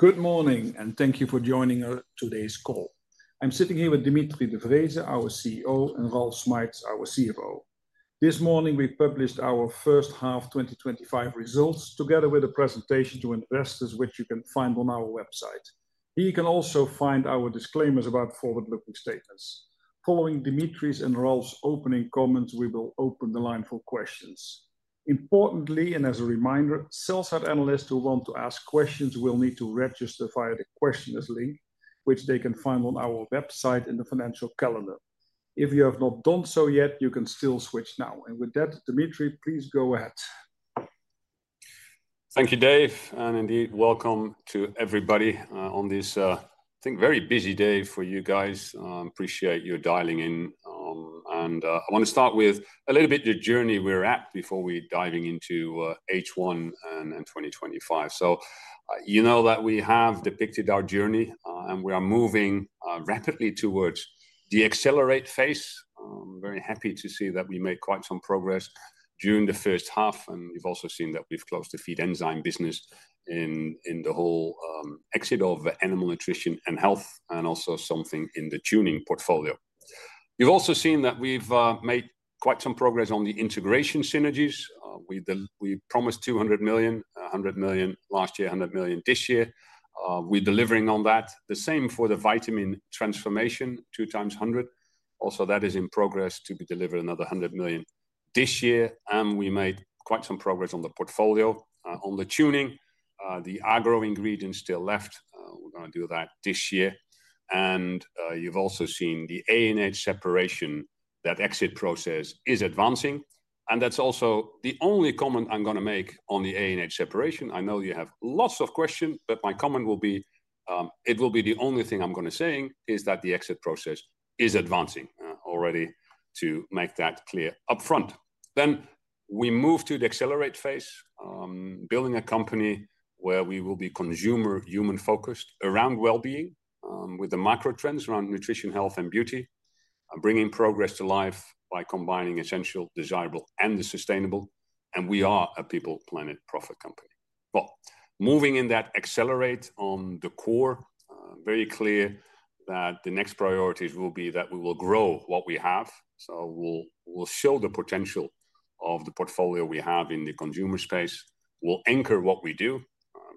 Good morning, and thank you for joining today's call. I'm sitting here with Dimitri de Vreeze, our CEO, and Ralf Schmeitz, our CFO. This morning, we published our first half 2025 results together with a presentation to investors, which you can find on our website. Here you can also find our disclaimers about forward-looking statements. Following Dimitri's and Ralf's opening comments, we will open the line for questions. Importantly, and as a reminder, sales analysts who want to ask questions will need to register via the questioners link, which they can find on our website in the financial calendar. If you have not done so yet, you can still switch now. With that, Dimitri, please go ahead. Thank you, Dave, and indeed, welcome to everybody on this, I think, very busy day for you guys. I appreciate your dialing in. I want to start with a little bit of the journey we're at before we're diving into H1 and 2025. You know that we have depicted our journey, and we are moving rapidly towards the accelerate phase. I'm very happy to see that we made quite some progress during the first half, and you've also seen that we've closed the feed enzyme business in the Animal Nutrition & Health, and also something in the tuning portfolio. You've also seen that we've made quite some progress on the integration synergies. We promised $200 million, $100 million last year, $100 million this year. We're delivering on that. The same for the vitamin transformation program, two times $100 million. Also, that is in progress to be delivered, another $100 million this year. We made quite some progress on the portfolio, on the tuning. The agro ingredients still left. We're going to do that this year. You've also seen the ANH separation, that exit process is advancing. That's also the only comment I'm going to make on the ANH separation. I know you have lots of questions, but my comment will be, it will be the only thing I'm going to say is that the exit process is advancing already, to make that clear upfront. We move to the accelerate phase, building a company where we will be consumer-human focused around well-being, with the microtrends around nutrition, health, and beauty, bringing progress to life by combining essential, desirable, and the sustainable. We are a people-planet profit company. Moving in that accelerate on the core, very clear that the next priorities will be that we will grow what we have. We'll show the potential of the portfolio we have in the consumer space. We'll anchor what we do.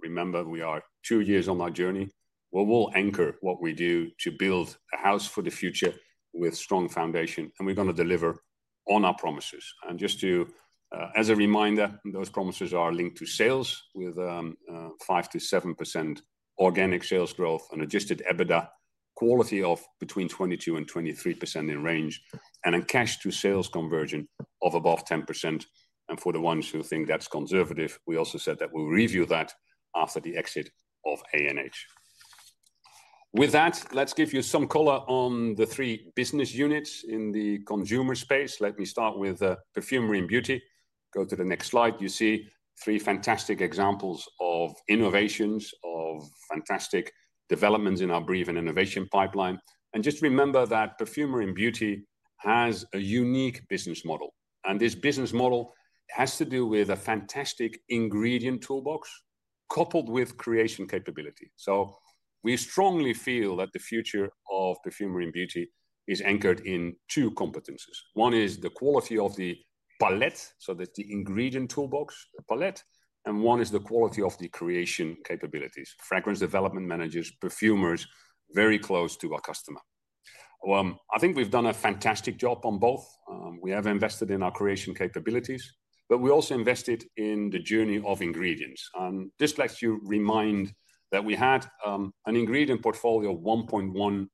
Remember, we are two years on our journey. We will anchor what we do to build a house for the future with a strong foundation, and we're going to deliver on our promises. Just as a reminder, those promises are linked to sales with 5%-7% organic sales growth, an adjusted EBITDA quality of between 22% and 23% in range, and a cash-to-sales conversion of above 10%. For the ones who think that's conservative, we also said that we'll review that after the exit of ANH. With that, let's give you some color on the three business units in the consumer space. Let me start with Perfumery & Beauty. Go to the next slide. You see three fantastic examples of innovations, of fantastic developments in our breed and innovation pipeline. Just remember that Perfumery & Beauty has a unique business model. This business model has to do with a fantastic ingredient toolbox coupled with creation capability. We strongly feel that the future of Perfumery & Beauty is anchored in two competences. One is the quality of the palette, so that's the ingredient toolbox, the palette. One is the quality of the creation capabilities: fragrance development managers, perfumers, very close to our customer. I think we've done a fantastic job on both. We have invested in our creation capabilities, but we also invested in the journey of ingredients. Just let me remind you that we had an ingredient portfolio of $1.1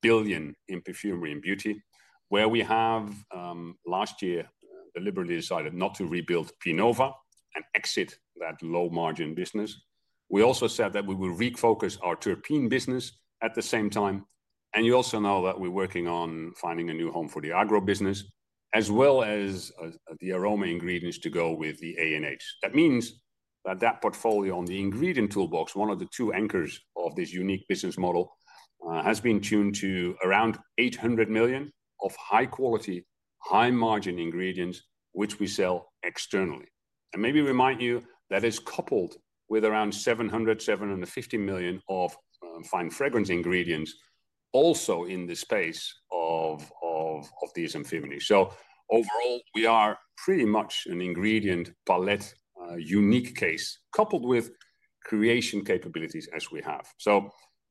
billion in Perfumery & Beauty, where we have last year deliberately decided not to rebuild Pinova and exit that low-margin business. We also said that we will refocus our terpene business at the same time. You also know that we're working on finding a new home for the agro ingredients business, as well as the the Animal Nutrition & Health. That means that the portfolio on the ingredient toolbox, one of the two anchors of this unique business model, has been tuned to around $800 million of high-quality, high-margin ingredients, which we sell externally. Maybe remind you that it's coupled with around $700 million to $750 million of fine fragrance ingredients also in the space of DSM-Firmenich. Overall, we are pretty much an ingredient palette unique case coupled with creation capabilities as we have.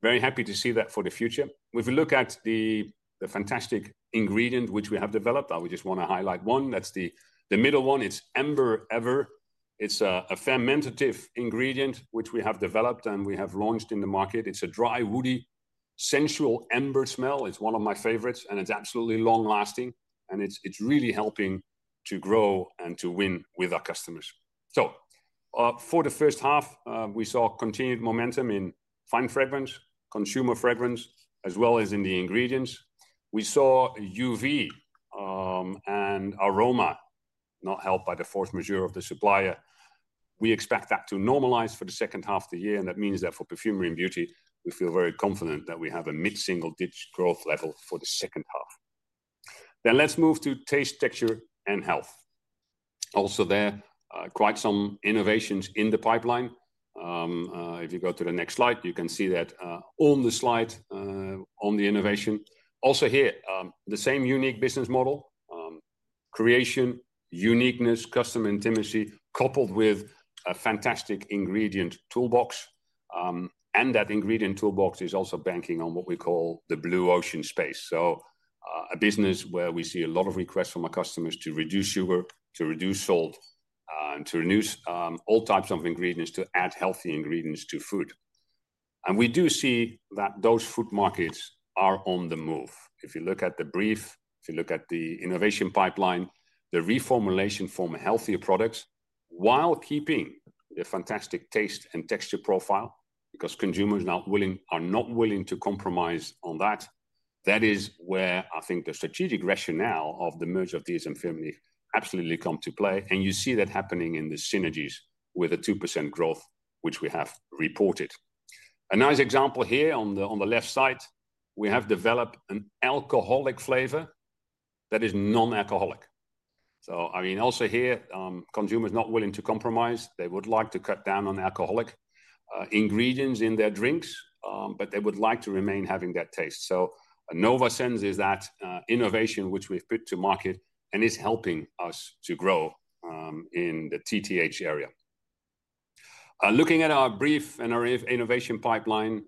Very happy to see that for the future. If we look at the fantastic ingredient which we have developed, I would just want to highlight one. That's the middle one. It's AmberEverb. It's a fermentative ingredient which we have developed and we have launched in the market. It's a dry, woody, sensual amber smell. It's one of my favorites, and it's absolutely long-lasting, and it's really helping to grow and to win with our customers. For the first half, we saw continued momentum in fine fragrance, consumer fragrance, as well as in the ingredients. We saw UV and aroma not helped by the force majeure of the supplier. We expect that to normalize for the second half of the year. That means that for Perfumery & Beauty, we feel very confident that we have a mid-single-digit growth level for the second half. Let's move to Taste, Texture & Health. Also there, quite some innovations in the pipeline. If you go to the next slide, you can see that on the slide on the innovation. Also here, the same unique business model. Creation, uniqueness, customer intimacy, coupled with a fantastic ingredient toolbox. That ingredient toolbox is also banking on what we call the blue ocean space. A business where we see a lot of requests from our customers to reduce sugar, to reduce salt, and to reduce all types of ingredients to add healthy ingredients to food. We do see that those food markets are on the move. If you look at the brief, if you look at the innovation pipeline, the reformulation for healthier products while keeping the fantastic taste and texture profile because consumers are not willing to compromise on that. That is where I think the strategic rationale of the merger of DSM-Firmenich absolutely comes to play. You see that happening in the synergies with a 2% growth, which we have reported. A nice example here on the left side, we have developed an alcoholic flavor that is non-alcoholic. Also here, consumers are not willing to compromise. They would like to cut down on alcoholic ingredients in their drinks, but they would like to remain having that taste. A NovaSense is that innovation which we've put to market and is helping us to grow in the TTH area. Looking at our brief and our innovation pipeline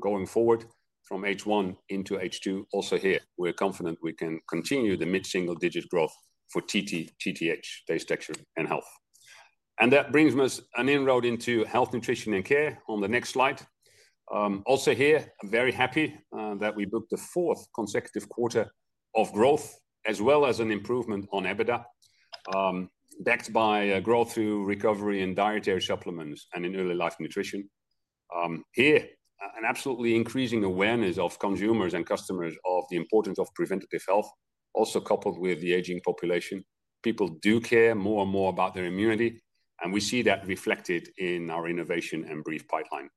going forward from H1 into H2, also here, we're confident we can continue the mid-single-digit growth for TTH, Taste, Texture & Health. That brings us an inroad into Health, Nutrition & Care on the next slide. Also here, very happy that we booked the fourth consecutive quarter of growth, as well as an improvement on EBITDA. Backed by growth through recovery in dietary supplements and in early life nutrition. Here, an absolutely increasing awareness of consumers and customers of the importance of preventative health, also coupled with the aging population. People do care more and more about their immunity. We see that reflected in our innovation and brief pipeline.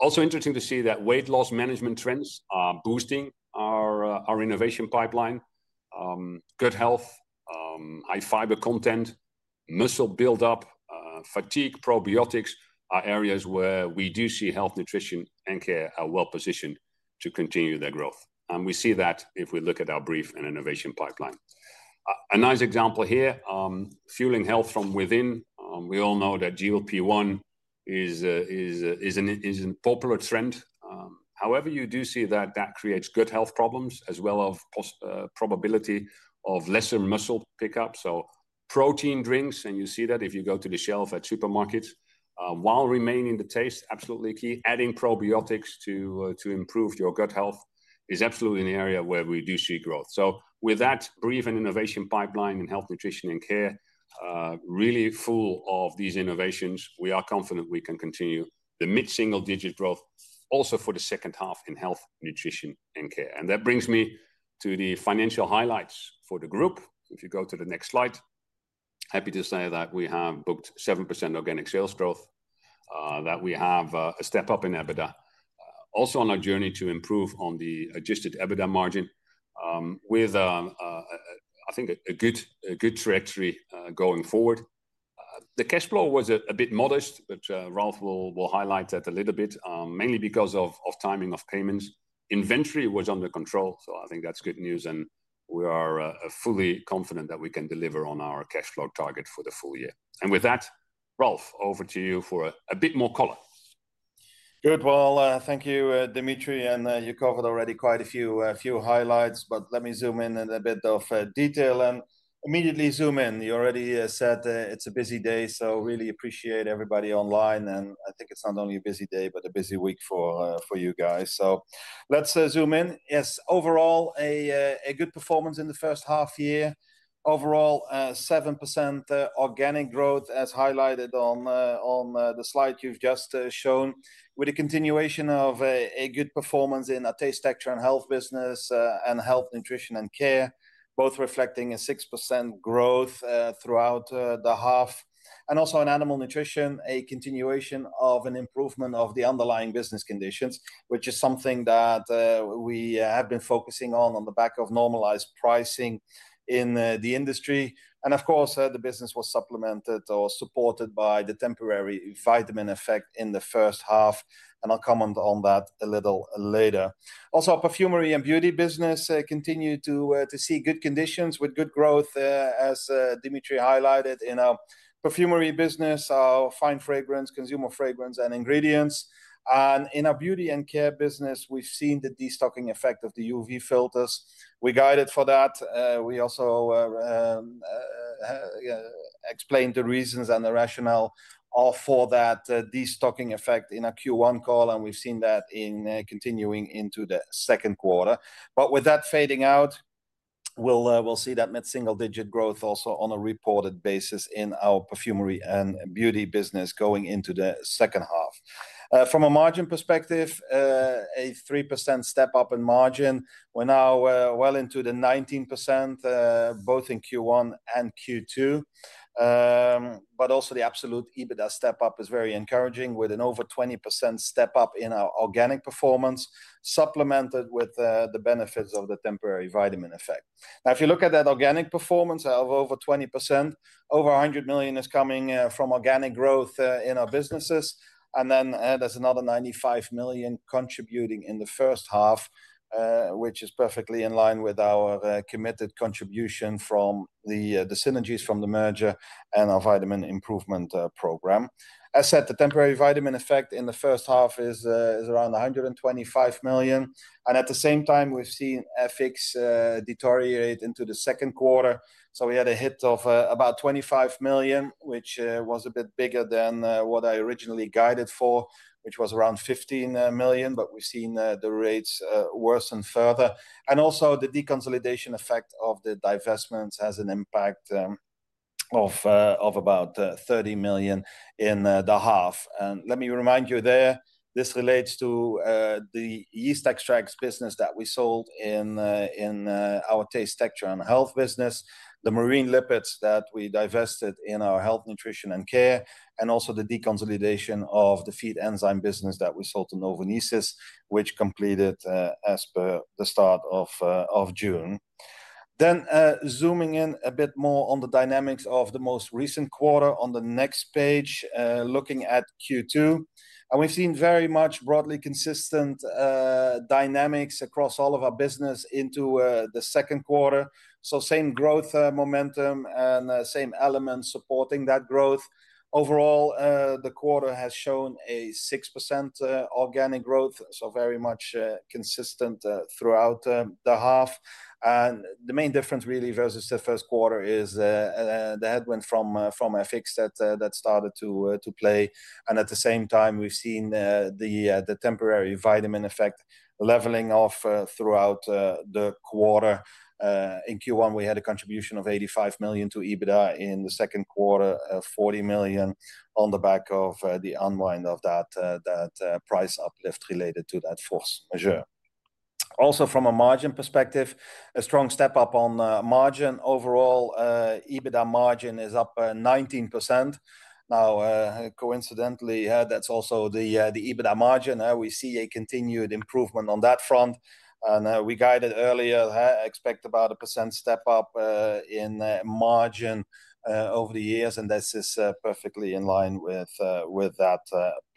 Also interesting to see that weight loss management trends are boosting our innovation pipeline. Good health, high fiber content, muscle buildup, fatigue, probiotics are areas where we do see Health, Nutrition & Care are well positioned to continue their growth. We see that if we look at our brief and innovation pipeline. A nice example here, fueling health from within. We all know that GLP-1 is a popular trend. However, you do see that that creates good health problems as well as probability of lesser muscle pickup. Protein drinks, and you see that if you go to the shelf at supermarkets, while remaining the taste, absolutely key, adding probiotics to improve your gut health is absolutely an area where we do see growth. With that brief and innovation pipeline in Health, Nutrition & Care, really full of these innovations, we are confident we can continue the mid-single-digit growth also for the second half in Health, Nutrition & Care. That brings me to the financial highlights for the group. If you go to the next slide, happy to say that we have booked 7% organic sales growth. We have a step up in EBITDA, also on our journey to improve on the Adjusted EBITDA margin, with, I think, a good trajectory going forward. The cash flow was a bit modest, but Ralf will highlight that a little bit, mainly because of timing of payments. Inventory was under control, so I think that's good news. We are fully confident that we can deliver on our cash flow target for the full year. With that, Ralf, over to you for a bit more color. Good. Thank you, Dimitri, and you covered already quite a few highlights, but let me zoom in a bit of detail and immediately zoom in. You already said it's a busy day. I really appreciate everybody online. I think it's not only a busy day, but a busy week for you guys. Let's zoom in. Yes, overall, a good performance in the first half year. Overall, 7% organic growth as highlighted on the slide you've just shown with a continuation of a good performance in the Taste, Texture & Health business and Health, Nutrition & Care, both reflecting a 6% growth throughout Animal Nutrition & Health, a continuation of an improvement of the underlying business conditions, which is something that we have been focusing on on the back of normalized pricing in the industry. Of course, the business was supplemented or supported by the temporary vitamin effect in the first half. I'll comment on that a little later. Also, our Perfumery & Beauty business continued to see good conditions with good growth, as Dimitri highlighted in our perfumery business, our fine fragrance, consumer fragrance, and ingredients. In our beauty and care business, we've seen the destocking effect of the UV filters. We guided for that. We also explained the reasons and the rationale for that destocking effect in a Q1 call. We've seen that continuing into the second quarter, but with that fading out. We'll see that mid-single-digit growth also on a reported basis in our Perfumery & Beauty business going into the second half. From a margin perspective, a 3% step up in margin. We're now well into the 19%, both in Q1 and Q2. Also, the absolute EBITDA step up is very encouraging with an over 20% step up in our organic performance, supplemented with the benefits of the temporary vitamin effect. Now, if you look at that organic performance of over 20%, over $100 million is coming from organic growth in our businesses. Then there's another $95 million contributing in the first half, which is perfectly in line with our committed contribution from the synergies from the merger and our vitamin improvement program. As said, the temporary vitamin effect in the first half is around $125 million. At the same time, we've seen FX deteriorate into the second quarter. We had a hit of about $25 million, which was a bit bigger than what I originally guided for, which was around $15 million. We've seen the rates worsen further. Also, the deconsolidation effect of the divestments has an impact of about $30 million in the half. Let me remind you, this relates to the yeast extracts business that we sold in our Taste, Texture & Health business, the marine lipids that we divested in our Health, Nutrition & Care, and also the deconsolidation of the feed enzyme business that we sold to Novonesis, which completed as per the start of June. Zooming in a bit more on the dynamics of the most recent quarter on the next page, looking at Q2, we've seen very much broadly consistent dynamics across all of our business into the second quarter. Same growth momentum and same elements supporting that growth. Overall, the quarter has shown a 6% organic growth, so very much consistent throughout the half. The main difference really versus the first quarter is the headwind from FX that started to play. At the same time, we've seen the temporary vitamin effect leveling off throughout the quarter. In Q1, we had a contribution of $85 million to EBITDA. In the second quarter, $40 million on the back of the unwind of that price uplift related to that force majeure. Also, from a margin perspective, a strong step up on margin. Overall, EBITDA margin is up 19%. Coincidentally, that's also the EBITDA margin. We see a continued improvement on that front. We guided earlier, expect about a percent step up in margin over the years. This is perfectly in line with that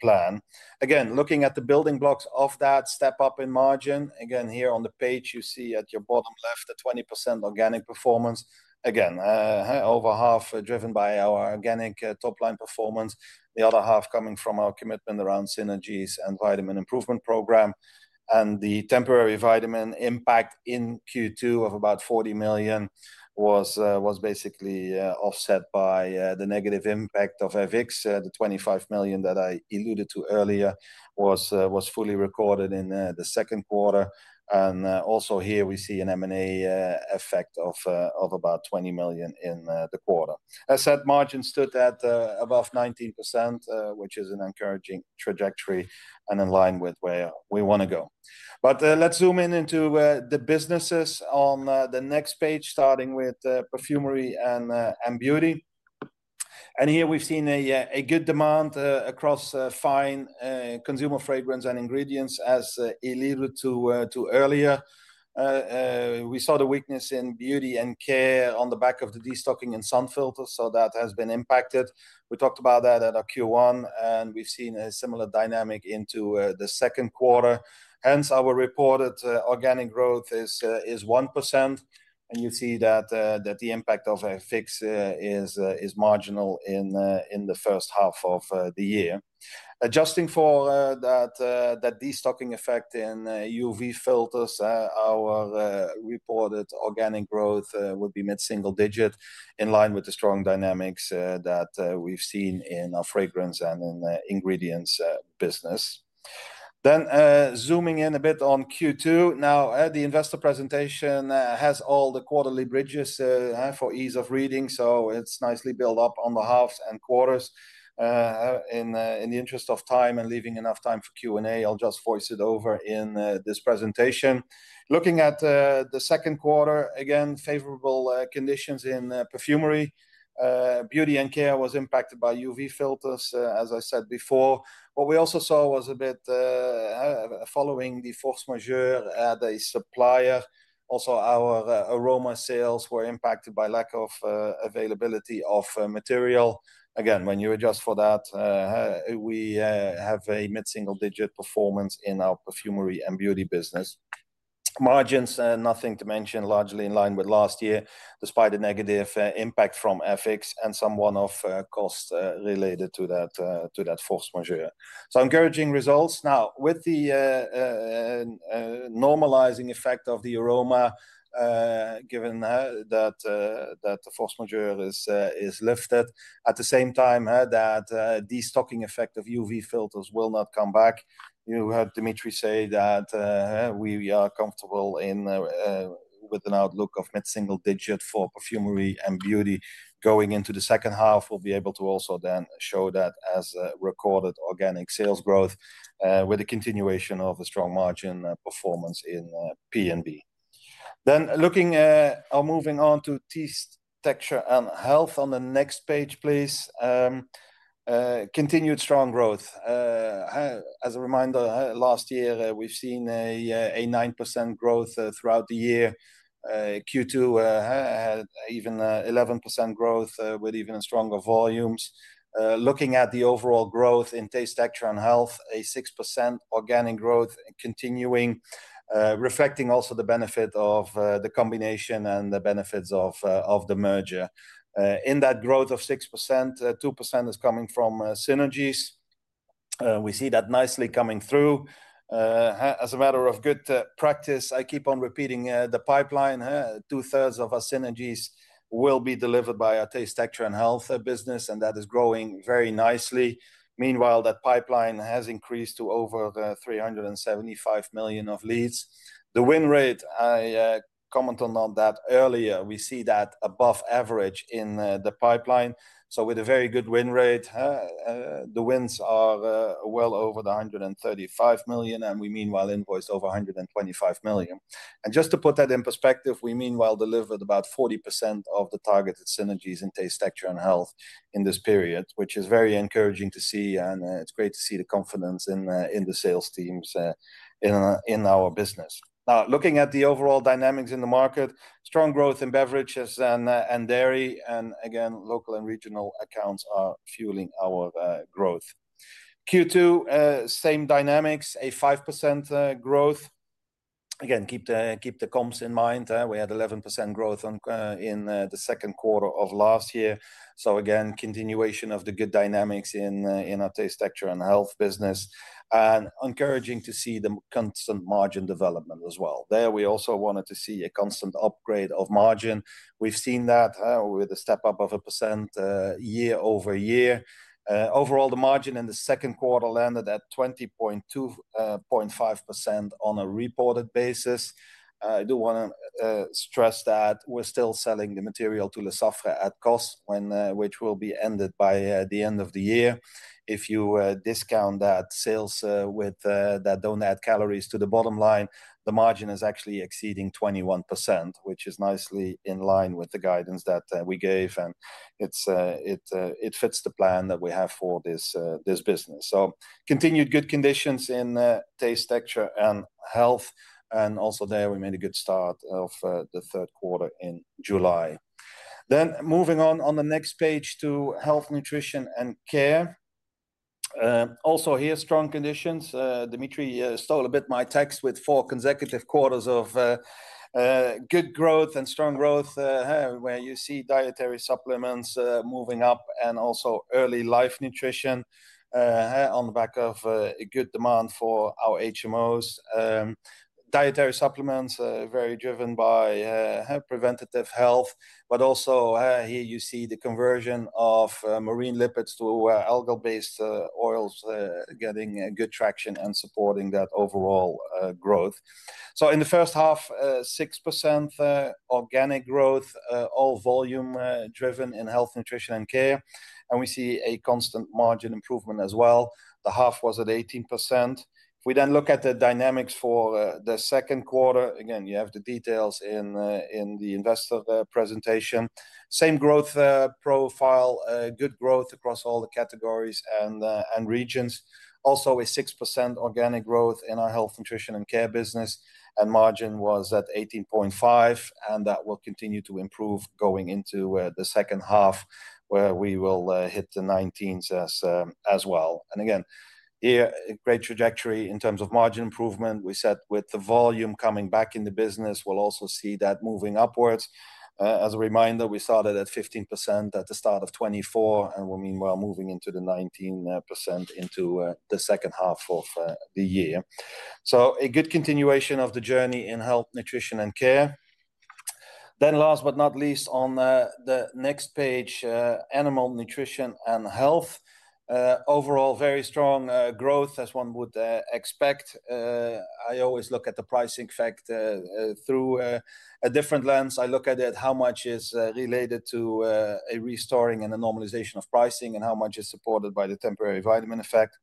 plan. Again, looking at the building blocks of that step up in margin, here on the page, you see at your bottom left, the 20% organic performance. Over half driven by our organic top-line performance, the other half coming from our commitment around synergies and vitamin improvement program. The temporary vitamin impact in Q2 of about $40 million was basically offset by the negative impact of FX. The $25 million that I alluded to earlier was fully recorded in the second quarter. Also here, we see an M&A effect of about $20 million in the quarter. As said, margin stood at above 19%, which is an encouraging trajectory and in line with where we want to go. Let's zoom in into the businesses on the next page, starting with Perfumery & Beauty. Here, we've seen a good demand across fine, consumer fragrance and ingredients, as alluded to earlier. We saw the weakness in Beauty & Care on the back of the destocking and sun filters, so that has been impacted. We talked about that at Q1. We've seen a similar dynamic into the second quarter. Hence, our reported organic growth is 1%. You see that the impact of FX is marginal in the first half of the year. Adjusting for that destocking effect in UV filters, our reported organic growth would be mid-single-digit, in line with the strong dynamics that we've seen in our fragrance and in the ingredients business. Zooming in a bit on Q2, the investor presentation has all the quarterly bridges for ease of reading. It's nicely built up on the halves and quarters. In the interest of time and leaving enough time for Q&A, I'll just voice it over in this presentation. Looking at the second quarter, again, favorable conditions in Perfumery. Beauty & Care was impacted by UV filters, as I said before. What we also saw was a bit following the force majeure at a supplier. Also, our aroma sales were impacted by lack of availability of material. When you adjust for that, we have a mid-single-digit performance in our Perfumery & Beauty business. Margins, nothing to mention, largely in line with last year, despite the negative impact from FX and some one-off costs related to that force majeure. Encouraging results. With the normalizing effect of the aroma, given that the force majeure is lifted, at the same time that destocking effect of UV filters will not come back. You heard Dimitri say that we are comfortable with an outlook of mid-single-digit for Perfumery & Beauty going into the second half. We'll be able to also then show that as recorded organic sales growth with a continuation of the strong margin performance in P&B. Moving on to Taste, Texture & Health on the next page, please. Continued strong growth. As a reminder, last year, we've seen a 9% growth throughout the year. Q2 had even 11% growth with even stronger volumes. Looking at the overall growth in Taste, Texture & Health, a 6% organic growth continuing, reflecting also the benefit of the combination and the benefits of the merger. In that growth of 6%, 2% is coming from synergies. We see that nicely coming through. As a matter of good practice, I keep on repeating the pipeline. Two-thirds of our synergies will be delivered by our Taste, Texture & Health business, and that is growing very nicely. Meanwhile, that pipeline has increased to over $375 million of leads. The win rate, I commented on that earlier, we see that above average in the pipeline. With a very good win rate, the wins are well over $135 million, and we meanwhile invoiced over $125 million. Just to put that in perspective, we meanwhile delivered about 40% of the targeted synergies in Taste, Texture & Health in this period, which is very encouraging to see. It's great to see the confidence in the sales teams in our business. Now, looking at the overall dynamics in the market, there is strong growth in beverages and dairy, and local and regional accounts are fueling our growth. In Q2, same dynamics, a 5% growth. Keep the comps in mind. We had 11% growth in the second quarter of last year. This is a continuation of the good dynamics in our Taste, Texture & Health business. It is encouraging to see the constant margin development as well. There, we also wanted to see a constant upgrade of margin. We've seen that with a step up of 1% year over year. Overall, the margin in the second quarter landed at 20.5% on a reported basis. I do want to stress that we're still selling the material to Lesaffre at cost, which will be ended by the end of the year. If you discount those sales that don't add calories to the bottom line, the margin is actually exceeding 21%, which is nicely in line with the guidance that we gave. It fits the plan that we have for this business. Continued good conditions in Taste, Texture & Health. Also there, we made a good start of the third quarter in July. Moving on to the next page, to Health, Nutrition & Care. Also here, strong conditions. Dimitri stole a bit of my text with four consecutive quarters of good growth and strong growth where you see dietary supplements moving up and also early life nutrition on the back of good demand for our HMOss. Dietary supplements are very driven by preventative health. Also here, you see the conversion of marine lipids to algal-based oils getting good traction and supporting that overall growth. In the first half, 6% organic growth, all volume-driven in Health, Nutrition & Care. We see a constant margin improvement as well. The half was at 18%. Looking at the dynamics for the second quarter, you have the details in the investor presentation. Same growth profile, good growth across all the categories and regions. Also a 6% organic growth in our Health, Nutrition & Care business, and margin was at 18.5%. That will continue to improve going into the second half where we will hit the 19s as well. Here, great trajectory in terms of margin improvement. We said with the volume coming back in the business, we'll also see that moving upwards. As a reminder, we started at 15% at the start of 2024, and we meanwhile moving into the 19% into the second half of the year. A good continuation of the journey in Health, Nutrition & Care. Last but not least, on Animal Nutrition & Health. Overall, very strong growth as one would expect. I always look at the pricing factor through a different lens. I look at it how much is related to a restoring and a normalization of pricing and how much is supported by the temporary vitamin effect.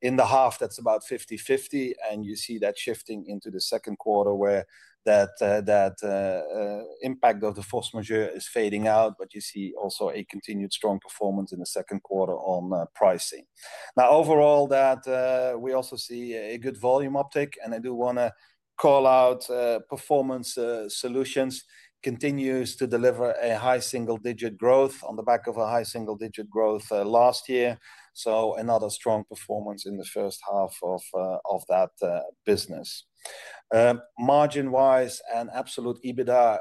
In the half, that's about 50/50. You see that shifting into the second quarter where that impact of the force majeure is fading out. You see also a continued strong performance in the second quarter on pricing. Overall, we also see a good volume uptake. I do want to call out performance solutions continues to deliver a high single-digit growth on the back of a high single-digit growth last year. Another strong performance in the first half of that business. Margin-wise and absolute EBITDA,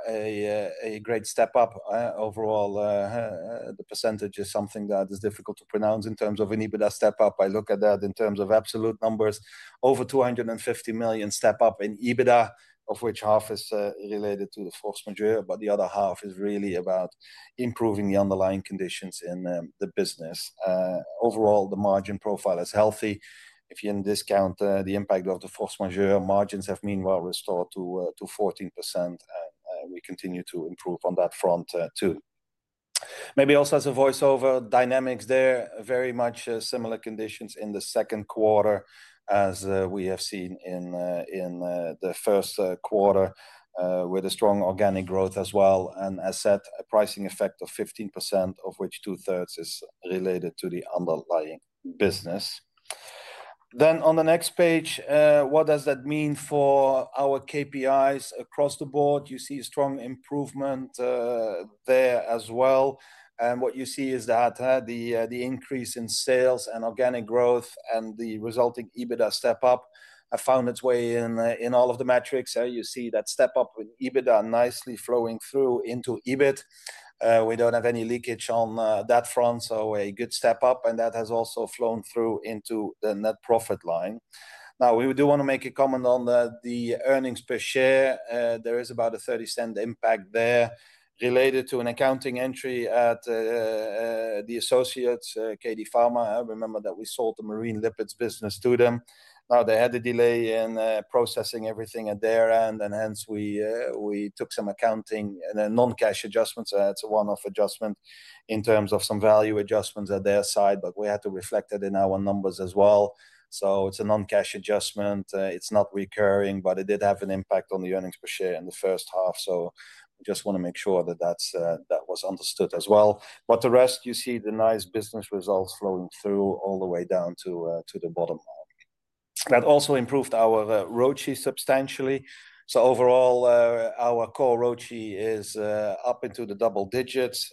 a great step up. Overall, the percentage is something that is difficult to pronounce in terms of an EBITDA step up. I look at that in terms of absolute numbers. Over $250 million step up in EBITDA, of which half is related to the force majeure, but the other half is really about improving the underlying conditions in the business. Overall, the margin profile is healthy. If you discount the impact of the force majeure, margins have meanwhile restored to 14%. We continue to improve on that front too. Maybe also as a voiceover, dynamics there, very much similar conditions in the second quarter as we have seen in the first quarter with a strong organic growth as well. As said, a pricing effect of 15%, of which two-thirds is related to the underlying business. On the next page, what does that mean for our KPIs across the board? You see a strong improvement there as well. What you see is that the increase in sales and organic growth and the resulting EBITDA step up have found its way in all of the metrics. You see that step up in EBITDA nicely flowing through into EBIT. We don't have any leakage on that front. A good step up. That has also flown through into the net profit line. We do want to make a comment on the earnings per share. There is about a $0.30 impact there related to an accounting entry at the associates, Katie Farmer. I remember that we sold the marine lipids business to them. They had a delay in processing everything at their end, and hence, we took some accounting and non-cash adjustments. That's a one-off adjustment in terms of some value adjustments at their side, but we had to reflect that in our numbers as well. It's a non-cash adjustment. It's not recurring, but it did have an impact on the earnings per share in the first half. I just want to make sure that that was understood as well. The rest, you see the nice business results flowing through all the way down to the bottom line. That also improved our ROTI substantially. Overall, our core ROTI is up into the double digits.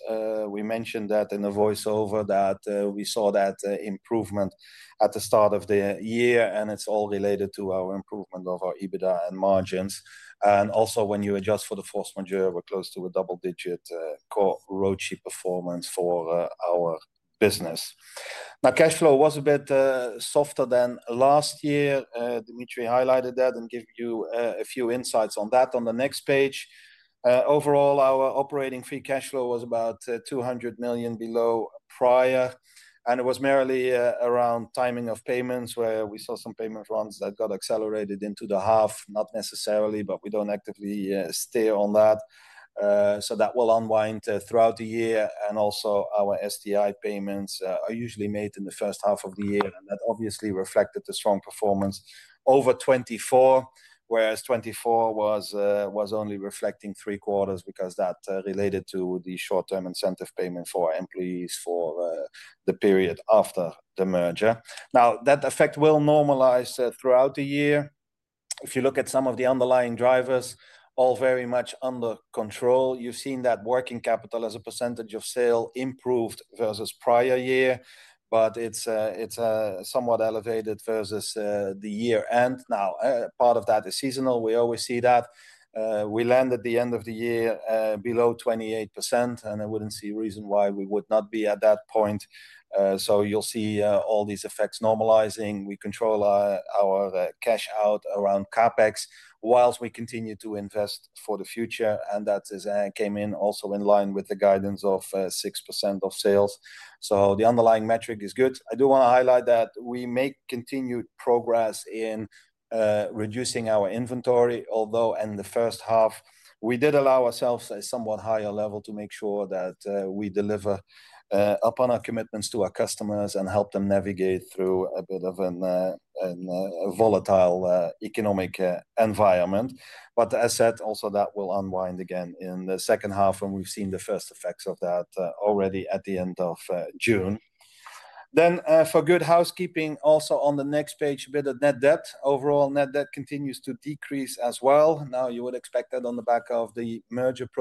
We mentioned that in a voiceover that we saw that improvement at the start of the year, and it's all related to our improvement of our EBITDA and margins. Also, when you adjust for the force majeure, we're close to a double-digit core ROTI performance for our business. Now, cash flow was a bit softer than last year. Dimitri de Vreeze highlighted that and gave you a few insights on that on the next page. Overall, our operating free cash flow was about $200 million below prior, and it was merely around timing of payments where we saw some payment runs that got accelerated into the half, not necessarily, but we don't actively steer on that. That will unwind throughout the year. Also, our STI payments are usually made in the first half of the year, and that obviously reflected the strong performance over 2024, whereas 2024 was only reflecting three-quarters because that related to the short-term incentive payment for employees for the period after the merger. That effect will normalize throughout the year. If you look at some of the underlying drivers, all very much under control, you've seen that working capital as a percentage of sale improved versus prior year, but it's somewhat elevated versus the year-end. Part of that is seasonal. We always see that. We land at the end of the year below 28%, and I wouldn't see a reason why we would not be at that point. You'll see all these effects normalizing. We control our cash out around CapEx whilst we continue to invest for the future, and that came in also in line with the guidance of 6% of sales. The underlying metric is good. I do want to highlight that we make continued progress in. Reducing our inventory, although in the first half, we did allow ourselves a somewhat higher level to make sure that we deliver upon our commitments to our customers and help them navigate through a bit of a volatile economic environment. As said, also that will unwind again in the second half. We've seen the first effects of that already at the end of June. For good housekeeping, also on the next page, a bit of net debt. Overall, net debt continues to decrease as well. You would expect that on the back of the divestment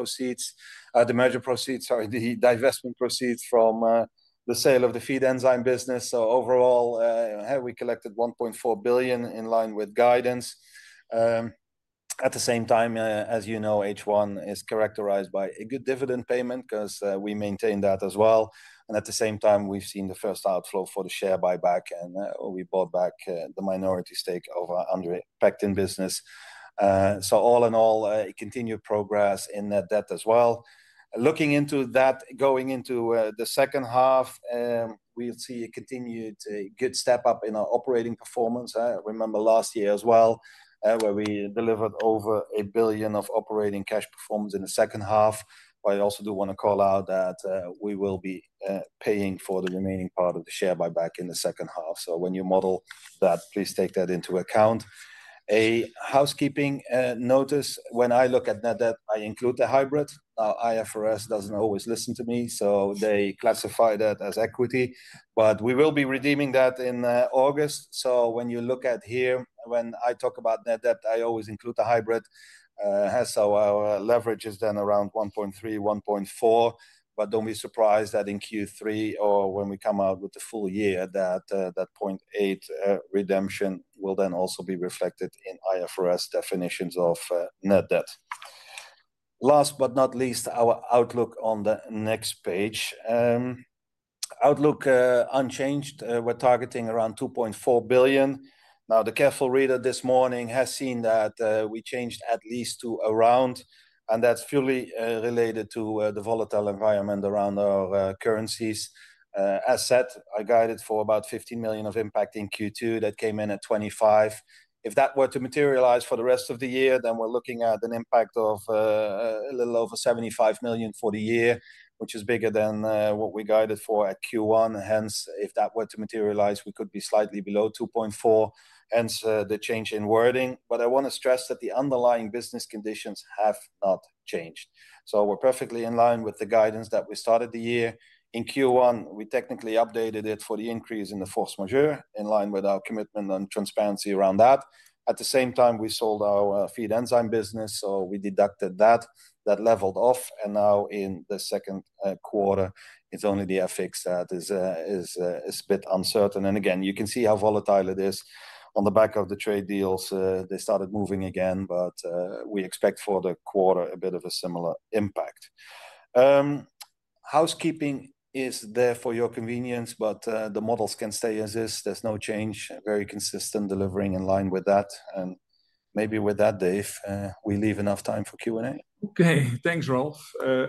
proceeds from the sale of the feed enzyme business. Overall, we collected 1.4 billion in line with guidance. At the same time, as you know, H1 is characterized by a good dividend payment because we maintain that as well. At the same time, we've seen the first outflow for the share buyback, and we bought back the minority stake of our under-packed-in business. All in all, continued progress in net debt as well. Looking into that, going into the second half, we'll see a continued good step up in our operating performance. I remember last year as well, where we delivered over 1 billion of operating cash performance in the second half. I also do want to call out that we will be paying for the remaining part of the share buyback in the second half. When you model that, please take that into account. A housekeeping notice: when I look at net debt, I include the hybrid. IFRS doesn't always listen to me, so they classify that as equity, but we will be redeeming that in August. When you look at here, when I talk about net debt, I always include the hybrid. Our leverage is then around 1.3%, 1.4%. Don't be surprised that in Q3 or when we come out with the full year, that 0.8 billion redemption will then also be reflected in IFRS definitions of net debt. Last but not least, our outlook on the next page. Outlook unchanged. We're targeting around 2.4 billion. The careful reader this morning has seen that we changed "at least" to "around," and that's purely related to the volatile environment around our currencies. As said, I guided for about 15 million of impact in Q2; that came in at 25 million. If that were to materialize for the rest of the year, then we're looking at an impact of a little over 75 million for the year, which is bigger than what we guided for at Q1. Hence, if that were to materialize, we could be slightly below 2.4 billion, hence the change in wording. I want to stress that the underlying business conditions have not changed. We're perfectly in line with the guidance that we started the year. In Q1, we technically updated it for the increase in the force majeure in line with our commitment and transparency around that. At the same time, we sold our feed enzyme business, so we deducted that. That leveled off. Now in the second quarter, it's only the FX that is a bit uncertain. You can see how volatile it is. On the back of the trade deals, they started moving again. We expect for the quarter a bit of a similar impact. Housekeeping is there for your convenience, but the models can stay as is. There's no change. Very consistent delivering in line with that. Maybe with that, Dave, we leave enough time for Q&A. Okay. Thanks, Ralf.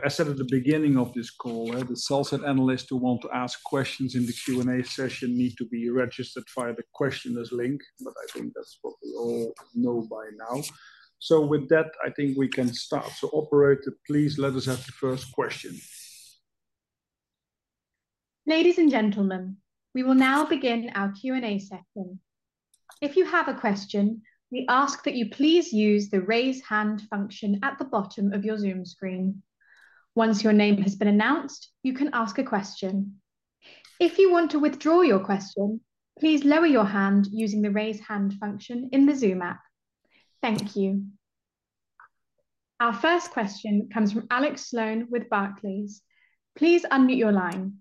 As said at the beginning of this call, the sell-side analysts who want to ask questions in the Q&A session need to be registered via the questioners link. I think that's what we all know by now. With that, I think we can start. Operator, please let us have the first question. Ladies and gentlemen, we will now begin our Q&A session. If you have a question, we ask that you please use the raise hand function at the bottom of your Zoom screen. Once your name has been announced, you can ask a question. If you want to withdraw your question, please lower your hand using the raise hand function in the Zoom app. Thank you. Our first question comes from Alex Sloan with Barclays. Please unmute your line.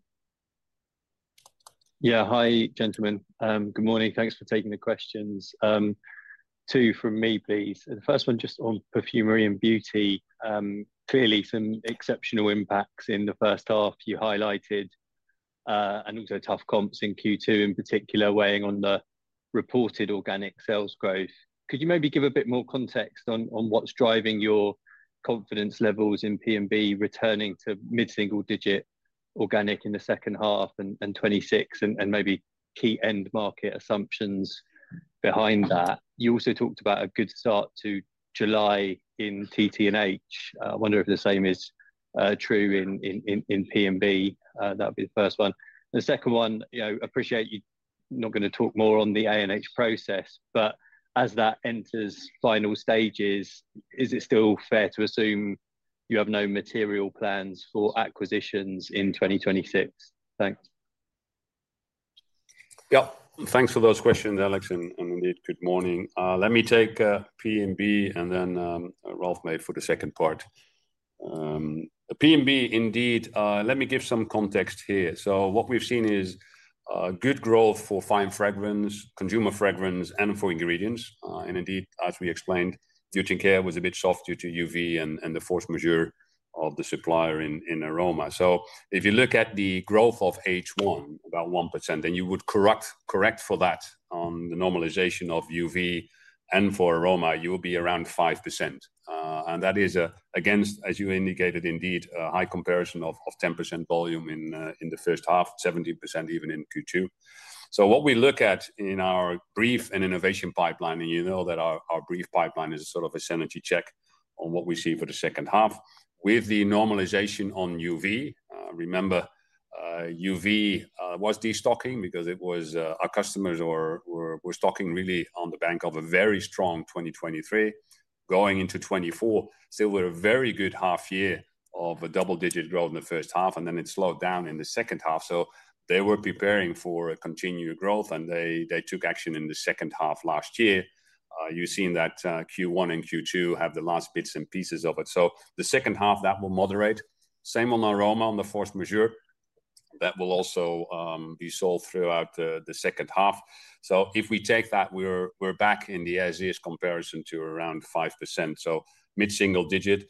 Yeah. Hi, gentlemen. Good morning. Thanks for taking the questions. Two from me, please. The first one just on Perfumery & Beauty. Clearly, some exceptional impacts in the first half you highlighted, and also tough comps in Q2 in particular, weighing on the reported organic sales growth. Could you maybe give a bit more context on what's driving your confidence levels in P&B returning to mid-single digit organic in the second half and 2026, and maybe key end market assumptions behind that? You also talked about a good start to July in TT&H. I wonder if the same is true in P&B. That would be the first one. The second one, I appreciate you're not going to talk more on the ANH process, but as that enters final stages, is it still fair to assume you have no material plans for acquisitions in 2026? Thanks. Yeah. Thanks for those questions, Alex. Indeed, good morning. Let me take P&B and then Ralf may for the second part. P&B, indeed, let me give some context here. What we've seen is good growth for fine fragrance, consumer fragrance, and for ingredients. Indeed, as we explained, duty care was a bit soft due to UV and the force majeure of the supplier in aroma. If you look at the growth of H1, about 1%, then you would correct for that on the normalization of UV and for aroma, you will be around 5%. That is against, as you indicated, indeed, a high comparison of 10% volume in the first half, 17% even in Q2. We look at our brief and innovation pipeline, and you know that our brief pipeline is sort of a synergy check on what we see for the second half, with the normalization on UV. Remember, UV was destocking because our customers were stocking really on the back of a very strong 2023. Going into 2024, still with a very good half year of a double-digit growth in the first half, and then it slowed down in the second half. They were preparing for continued growth, and they took action in the second half last year. You've seen that Q1 and Q2 have the last bits and pieces of it. The second half, that will moderate. Same on aroma, on the force majeure. That will also be solved throughout the second half. If we take that, we're back in the earliest comparison to around 5%, so mid-single digit.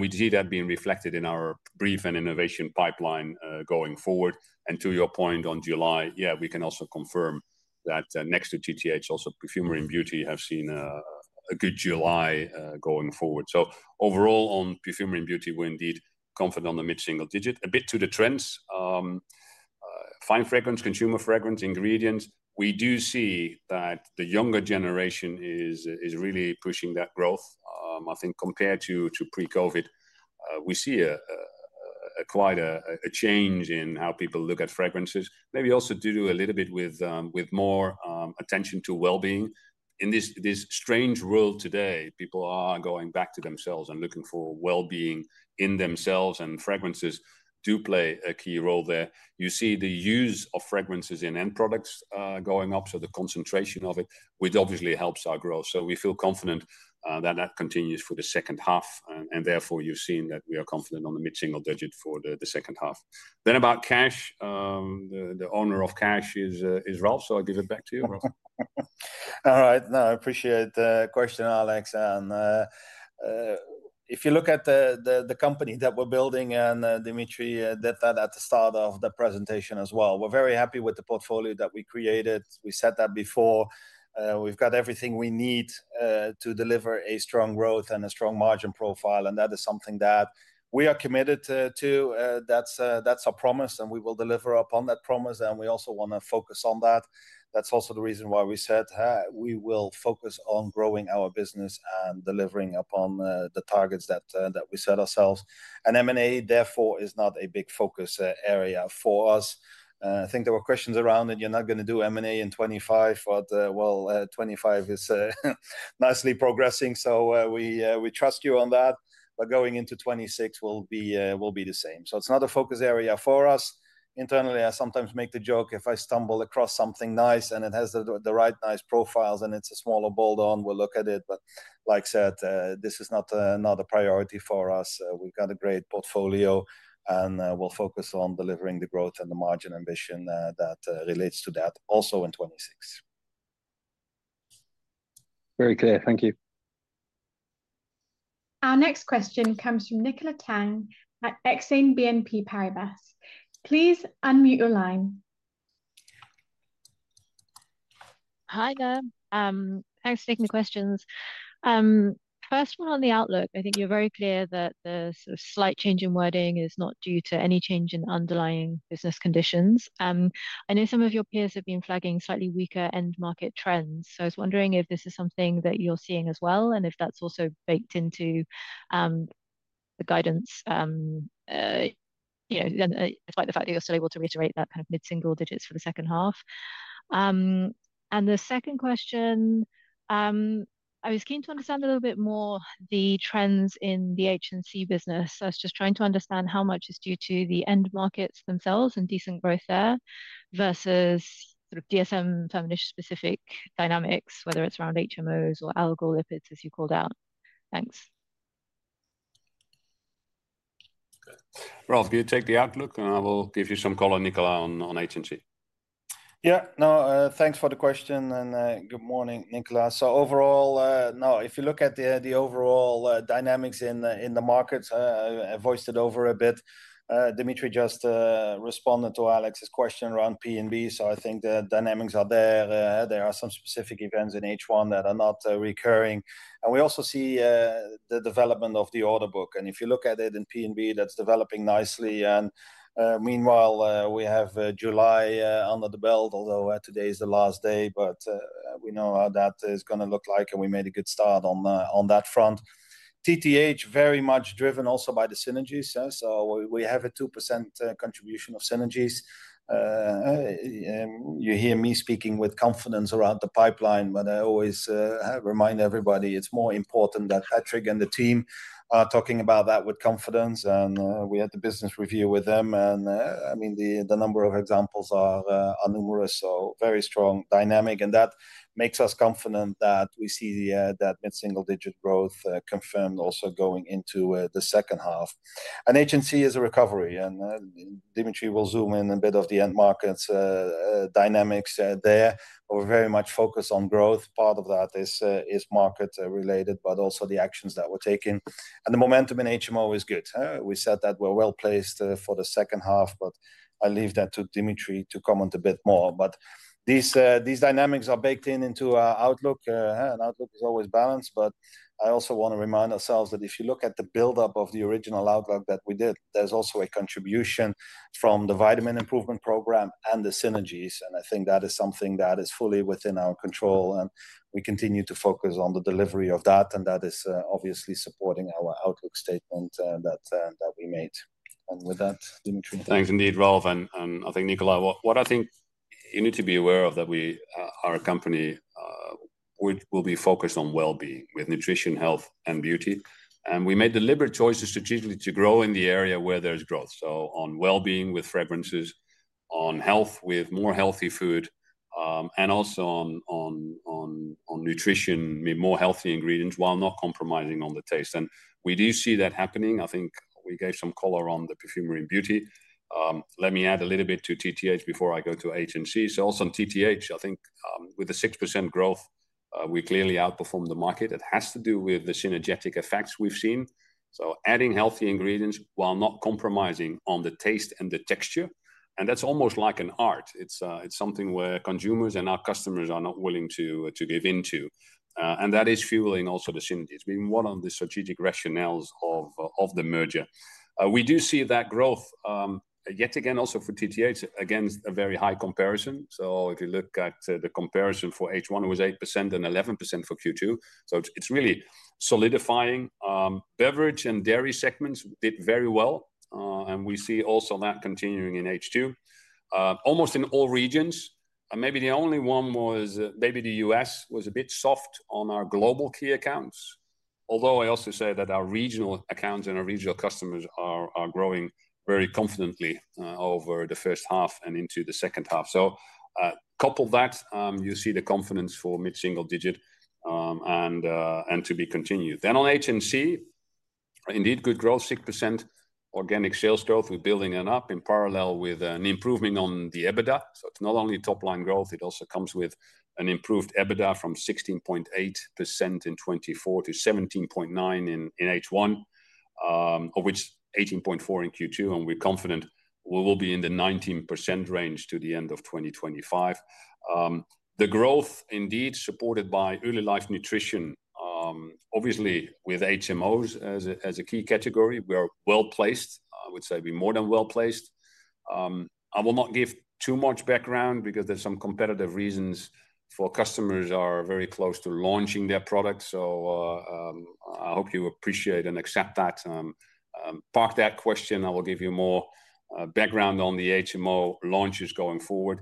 We see that being reflected in our brief and innovation pipeline going forward. To your point on July, yeah, we can also confirm that next to TTH, also Perfumery & Beauty have seen a good July going forward. Overall, on Perfumery & Beauty, we're indeed confident on the mid-single digit. A bit to the trends. Fine fragrance, consumer fragrance, ingredients. We do see that the younger generation is really pushing that growth. I think compared to pre-COVID, we see quite a change in how people look at fragrances. Maybe also due to a little bit with more attention to well-being. In this strange world today, people are going back to themselves and looking for well-being in themselves. Fragrances do play a key role there. You see the use of fragrances in end products going up, so the concentration of it, which obviously helps our growth. We feel confident that that continues for the second half. Therefore, you've seen that we are confident on the mid-single digit for the second half. About cash, the owner of cash is Ralf. I'll give it back to you, Ralf. All right. No, I appreciate the question, Alex. If you look at the company that we're building, and Dimitri did that at the start of the presentation as well, we're very happy with the portfolio that we created. We said that before. We've got everything we need to deliver a strong growth and a strong margin profile. That is something that we are committed to. That's our promise. We will deliver upon that promise. We also want to focus on that. That's also the reason why we said we will focus on growing our business and delivering upon the targets that we set ourselves. M&A, therefore, is not a big focus area for us. I think there were questions around that you're not going to do M&A in 2025, but 2025 is nicely progressing. We trust you on that. Going into 2026, it will be the same. It's not a focus area for us. Internally, I sometimes make the joke if I stumble across something nice and it has the right nice profiles and it's a smaller bolt-on, we'll look at it. Like I said, this is not a priority for us. We've got a great portfolio. We'll focus on delivering the growth and the margin ambition that relates to that also in 2026. Very clear. Thank you. Our next question comes from Nicola Tang at BNP Paribas Exane. Please unmute your line. Hi there. Thanks for taking the questions. First one on the outlook. I think you're very clear that the slight change in wording is not due to any change in underlying business conditions. I know some of your peers have been flagging slightly weaker end market trends. I was wondering if this is something that you're seeing as well and if that's also baked into the guidance, despite the fact that you're still able to reiterate that kind of mid-single digits for the second half. The second question, I was keen to understand a little bit more the trends in the HNC business. I was just trying to understand how much is due to the end markets themselves and decent growth there versus sort of DSM-Firmenich-specific dynamics, whether it's around HMOss or algal lipids, as you called out. Thanks. Ralf, could you take the outlook? I will give you some call on Nicola on HNC. Yeah. No, thanks for the question. Good morning, Nicola. Overall, no, if you look at the overall dynamics in the markets, I voiced it over a bit. Dimitri just responded to Alex's question around Perfumery & Beauty. I think the dynamics are there. There are some specific events in H1 that are not recurring. We also see the development of the order book. If you look at it in Perfumery & Beauty, that's developing nicely. Meanwhile, we have July under the belt, although today is the last day, but we know how that is going to look. We made a good start on that front. Taste, Texture & Health, very much driven also by the synergies. We have a 2% contribution of synergies. You hear me speaking with confidence around the pipeline, but I always remind everybody it's more important that Patrick and the team are talking about that with confidence. We had the business review with them. The number of examples are numerous, so very strong dynamic. That makes us confident that we see that mid-single digit growth confirmed also going into the second half. HNC is a recovery, and Dimitri will zoom in a bit on the end markets. Dynamics there are very much focused on growth. Part of that is market-related, but also the actions that we're taking. The momentum in HMOs is good. We said that we're well placed for the second half, but I'll leave that to Dimitri to comment a bit more. These dynamics are baked into our outlook. An outlook is always balanced. I also want to remind ourselves that if you look at the buildup of the original outlook that we did, there's also a contribution from the vitamin transformation program and the synergies. I think that is something that is fully within our control. We continue to focus on the delivery of that, and that is obviously supporting our outlook statement that we made. With that, Dimitri. Thanks indeed, Ralf. Nicola, what I think you need to be aware of is that we, our company, will be focused on well-being with nutrition, health, and beauty. We made deliberate choices strategically to grow in the area where there's growth, on well-being with fragrances, on health with more healthy food, and also on nutrition, more healthy ingredients while not compromising on the taste. We do see that happening. I think we gave some color on the Perfumery & Beauty. Let me add a little bit to TTH before I go to HNC. Also on TTH, I think with the 6% growth, we clearly outperformed the market. It has to do with the synergetic effects we've seen, so adding healthy ingredients while not compromising on the taste and the texture. That's almost like an art. It's something where consumers and our customers are not willing to give in to, and that is fueling also the synergy. It's been one of the strategic rationales of the merger. We do see that growth. Yet again, also for TTH, again, a very high comparison. If you look at the comparison for H1, it was 8% and 11% for Q2. It's really solidifying. Beverage and dairy segments did very well, and we see also that continuing in H2, almost in all regions. Maybe the only one was maybe the U.S. was a bit soft on our global key accounts. Although I also say that our regional accounts and our regional customers are growing very confidently over the first half and into the second half. Couple that, you see the confidence for mid-single digit and to be continued. On HNC, indeed, good growth, 6% organic sales growth. We're building it up in parallel with an improvement on the EBITDA. It's not only top-line growth. It also comes with an improved EBITDA from 16.8% in 2024 to 17.9% in H1, of which 18.4% in Q2. We're confident we will be in the 19% range to the end of 2025. The growth, indeed, supported by early life nutrition. Obviously, with HMOss as a key category, we are well placed. I would say we're more than well placed. I will not give too much background because there's some competitive reasons for customers who are very close to launching their products. I hope you appreciate and accept that. Park that question. I will give you more background on the HMOs launches going forward.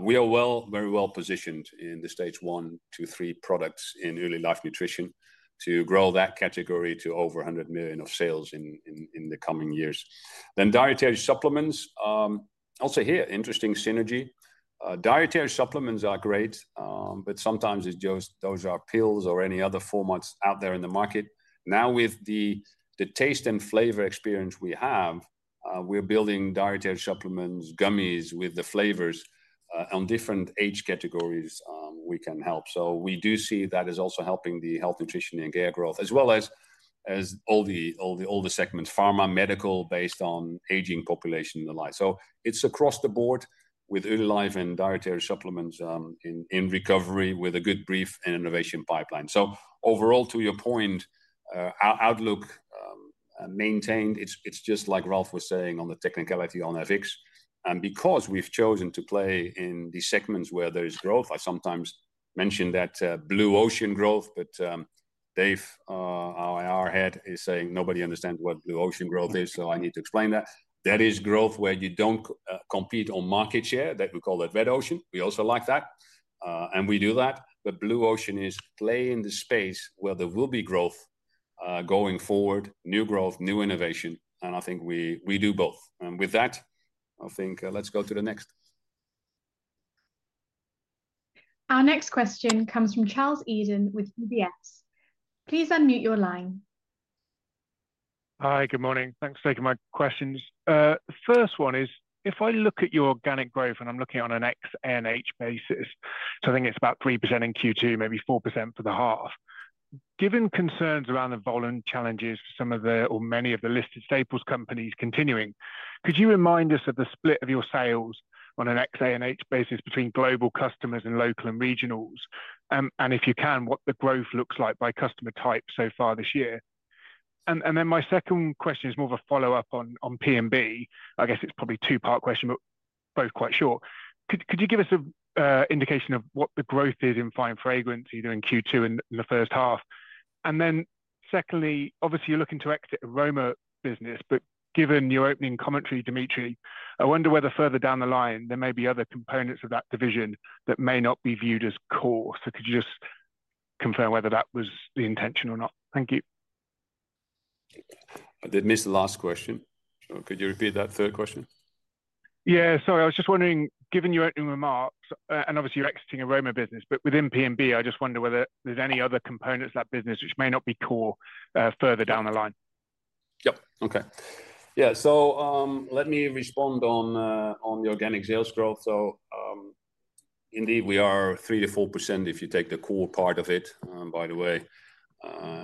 We are very well positioned in the stage one, two, three products in early life nutrition to grow that category to over $100 million of sales in the coming years. Then dietary supplements. Also here, interesting synergy. Dietary supplements are great, but sometimes it's just those are pills or any other formats out there in the market. Now, with the taste and flavor experience we have, we're building dietary supplements, gummies with the flavors on different age categories we can help. We do see that is also helping the Health, Nutrition & Care growth, as well as all the segments: pharma, medical, based on aging population, and the like. It's across the board with early life and dietary supplements in recovery with a good brief and innovation pipeline. Overall, to your point, outlook maintained. It's just like Ralf was saying on the technicality on FX. Because we've chosen to play in the segments where there is growth, I sometimes mention that blue ocean growth, but Dave, our head, is saying nobody understands what blue ocean growth is. I need to explain that. That is growth where you don't compete on market share. We call that red ocean. We also like that. We do that. Blue ocean is playing in the space where there will be growth. Going forward, new growth, new innovation. I think we do both. With that, let's go to the next. Our next question comes from Charles Eden with UBS. Please unmute your line. Hi, good morning. Thanks for taking my questions. First one is, if I look at your organic growth and I'm looking on an ANH basis, I think it's about 3% in Q2, maybe 4% for the half. Given concerns around the volume challenges for some of the or many of the listed staples companies continuing, could you remind us of the split of your sales on an ANH basis between global customers and local and regionals? If you can, what the growth looks like by customer type so far this year? My second question is more of a follow-up on P&B. I guess it's probably a two-part question, but both quite short. Could you give us an indication of what the growth is in fine fragrance during Q2 and the first half? Secondly, obviously, you're looking to exit aroma business, but given your opening commentary, Dimitri, I wonder whether further down the line, there may be other components of that division that may not be viewed as core. Could you just confirm whether that was the intention or not? Thank you. I did miss the last question. Could you repeat that third question? Yeah, sorry. I was just wondering, given your opening remarks, and obviously, you're exiting aroma business, but within P&B, I just wonder whether there's any other components of that business which may not be core further down the line. Yep. Okay. Let me respond on the organic sales growth. Indeed, we are 3%-4% if you take the core part of it, by the way.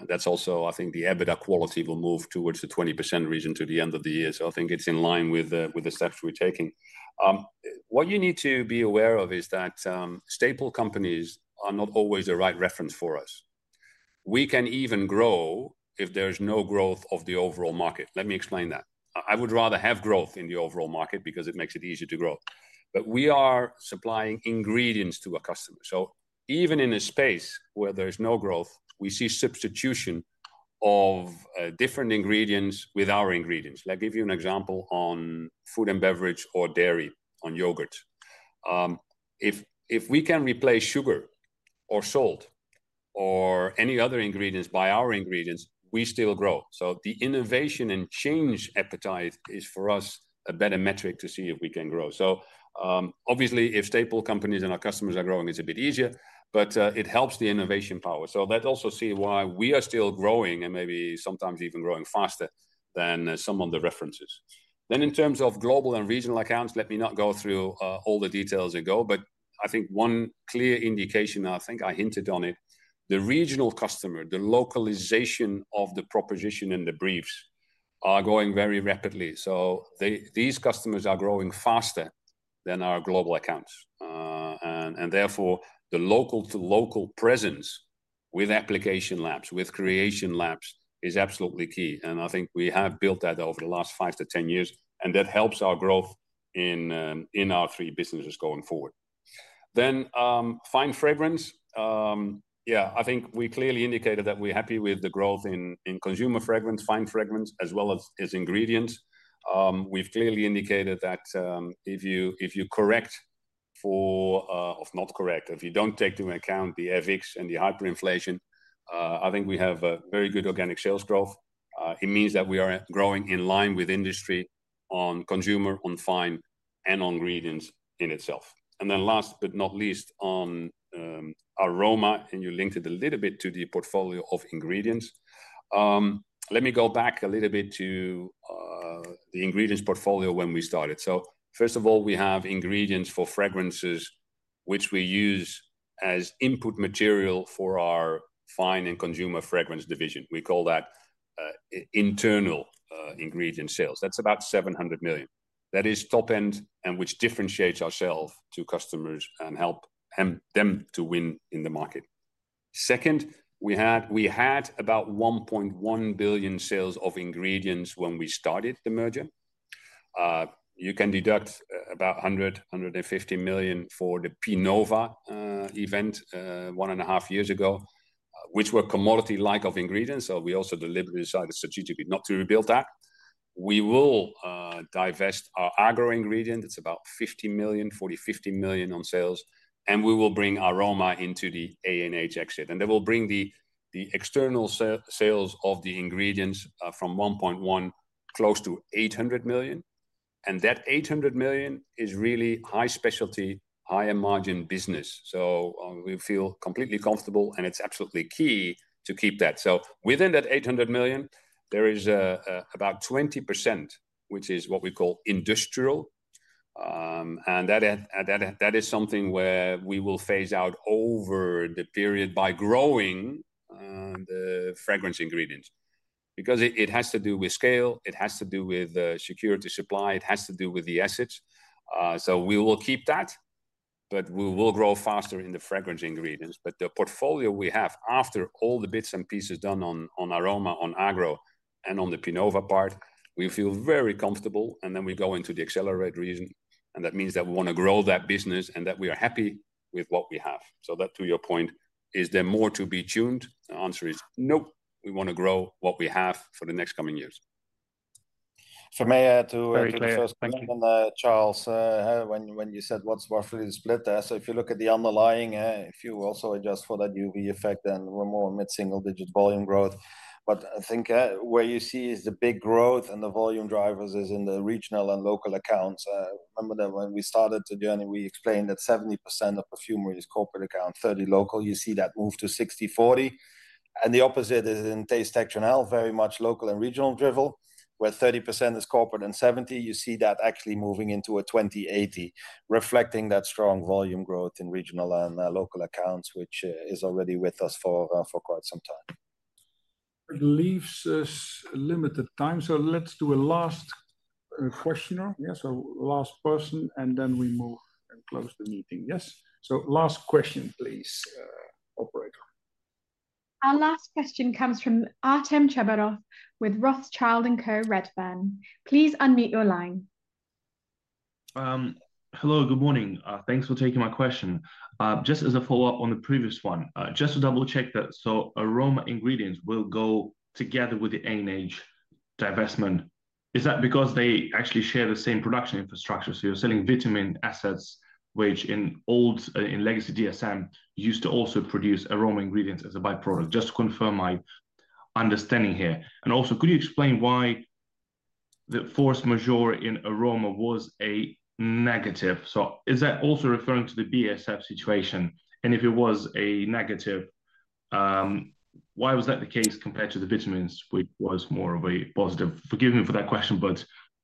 That's also, I think, the EBITDA quality will move towards the 20% region to the end of the year. I think it's in line with the steps we're taking. What you need to be aware of is that staple companies are not always the right reference for us. We can even grow if there's no growth of the overall market. Let me explain that. I would rather have growth in the overall market because it makes it easier to grow. We are supplying ingredients to a customer. Even in a space where there's no growth, we see substitution of different ingredients with our ingredients. Let me give you an example on food and beverage or dairy, on yogurt. If we can replace sugar or salt or any other ingredients by our ingredients, we still grow. The innovation and change appetite is, for us, a better metric to see if we can grow. Obviously, if staple companies and our customers are growing, it's a bit easier, but it helps the innovation power. That also sees why we are still growing and maybe sometimes even growing faster than some of the references. In terms of global and regional accounts, let me not go through all the details, but I think one clear indication, and I think I hinted on it, the regional customer, the localization of the proposition and the briefs are going very rapidly. These customers are growing faster than our global accounts. Therefore, the local-to-local presence with application labs, with creation labs is absolutely key. I think we have built that over the last 5 to 10 years, and that helps our growth in our three businesses going forward. Fine fragrance, yeah, I think we clearly indicated that we're happy with the growth in consumer fragrance, fine fragrance, as well as ingredients. We've clearly indicated that if you correct for, or not correct, if you don't take into account the FX and the hyperinflation, I think we have very good organic sales growth. It means that we are growing in line with industry on consumer, on fine, and on ingredients in itself. Last but not least, on aroma, and you linked it a little bit to the portfolio of ingredients. Let me go back a little bit to the ingredients portfolio when we started. First of all, we have ingredients for fragrances, which we use as input material for our fine and consumer fragrance division. We call that internal ingredient sales. That's about $700 million. That is top-end and which differentiates ourselves to customers and helps them to win in the market. Second, we had about $1.1 billion sales of ingredients when we started the merger. You can deduct about $100 million, $150 million for the Pinova event one and a half years ago, which were commodity-like ingredients. We also deliberately decided strategically not to rebuild that. We will divest our agro ingredient. It's about $50 million, $40 million, $50 million on sales. We the ANH exit, and that will bring the external sales of the ingredients from $1.1 billion close to $800 million. That $800 million is really high specialty, higher margin business. We feel completely comfortable, and it's absolutely key to keep that. Within that $800 million, there is about 20%, which is what we call industrial. That is something we will phase out over the period by growing the fragrance ingredients. It has to do with scale, security of supply, and the assets. We will keep that, but we will grow faster in the fragrance ingredients. The portfolio we have after all the bits and pieces done on aroma, on agro, and on the Pinova part, we feel very comfortable. We go into the accelerate region, and that means we want to grow that business and are happy with what we have. To your point, is there more to be tuned? The answer is no. We want to grow what we have for the next coming years. May I add to that. Very clear. First question, Charles. When you said what's roughly the split there, if you look at the underlying, if you also adjust for that UV effect, then we're more mid-single digit volume growth. Where you see the big growth and the volume drivers is in the regional and local accounts. Remember that when we started the journey, we explained that 70% of Perfumery is corporate account, 30% local. You see that move to 60%, 40%. The opposite is in Taste, Texture & Health, very much local and regional driven, where 30% is corporate and 70%, you see that actually moving into a 20%, 80%, reflecting that strong volume growth in regional and local accounts, which is already with us for quite some time. It leaves us limited time. Let's do a last questioner. Last person, and then we move and close the meeting. Yes, last question, please, operator. Our last question comes from Artem Chubarov with Rothschild & Co Redburn. Please unmute your line. Hello. Good morning. Thanks for taking my question. Just as a follow-up on the previous one, just to double-check that. Aroma ingredients will go together with the ANH divestment. Is that because they actually share the same production infrastructure? You're selling vitamin assets, which in legacy DSM used to also produce aroma ingredients as a byproduct. Just to confirm my understanding here. Also, could you explain why the force majeure in aroma was a negative? Is that also referring to the BASF situation? If it was a negative, why was that the case compared to the vitamins, which was more of a positive? Forgive me for that question, but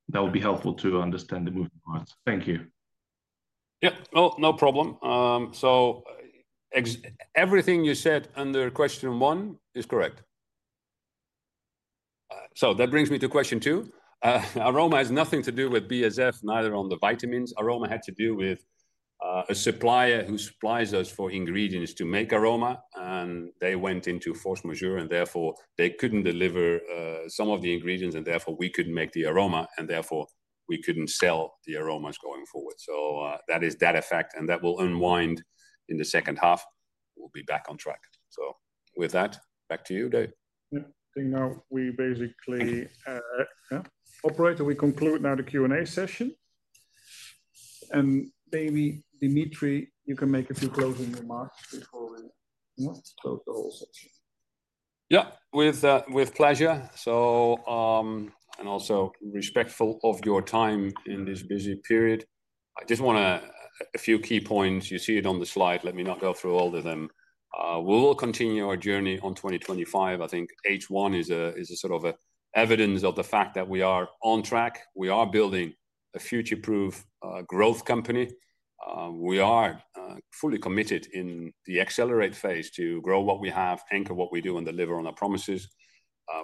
that would be helpful to understand the moving parts. Thank you. Yep. No problem. Everything you said under question one is correct. That brings me to question two. Aroma has nothing to do with BASF, neither on the vitamins. Aroma had to do with a supplier who supplies us for ingredients to make aroma, and they went into force majeure, and therefore, they couldn't deliver some of the ingredients, and therefore, we couldn't make the aroma, and therefore, we couldn't sell the aromas going forward. That is that effect, and that will unwind in the second half. We'll be back on track. With that, back to you, Dave. I think now we basically, operator, we conclude now the Q&A session. Maybe Dimitri, you can make a few closing remarks before we close the whole session. Yeah, with pleasure. Also respectful of your time in this busy period, I just want to add a few key points. You see it on the slide. Let me not go through all of them. We will continue our journey on 2025. I think H1 is a sort of evidence of the fact that we are on track. We are building a future-proof growth company. We are fully committed in the accelerate phase to grow what we have, anchor what we do, and deliver on our promises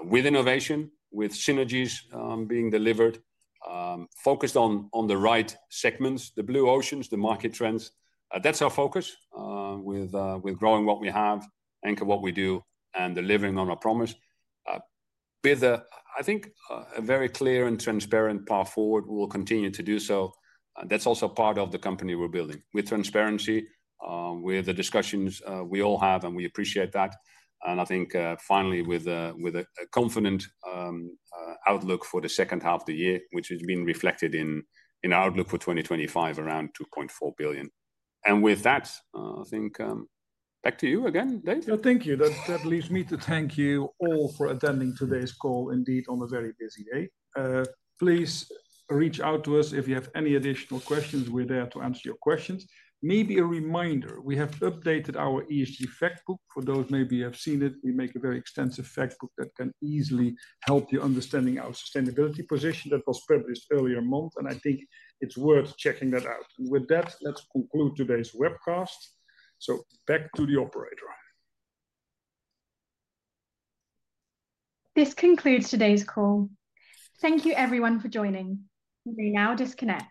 with innovation, with synergies being delivered. Focused on the right segments, the blue oceans, the market trends. That's our focus with growing what we have, anchor what we do, and delivering on our promise. With, I think, a very clear and transparent path forward, we'll continue to do so. That's also part of the company we're building with transparency, with the discussions we all have, and we appreciate that. I think, finally, with a confident outlook for the second half of the year, which has been reflected in our outlook for 2025, around $2.4 billion. With that, I think, back to you again, Dave. Yeah, thank you. That leaves me to thank you all for attending today's call, indeed, on a very busy day. Please reach out to us if you have any additional questions. We're there to answer your questions. Maybe a reminder, we have updated our ESG fact book. For those maybe who have seen it, we make a very extensive fact book that can easily help you understand our sustainability position that was published earlier month. I think it's worth checking that out. With that, let's conclude today's webcast. Back to the operator. This concludes today's call. Thank you, everyone, for joining. You may now disconnect.